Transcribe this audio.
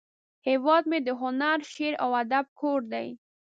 هیواد مې د هنر، شعر، او ادب کور دی